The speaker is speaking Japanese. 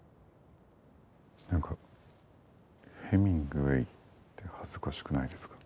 なんかヘミングウェイって恥ずかしくないですか？